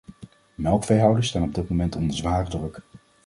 Melkveehouders staan op dit moment onder zware druk.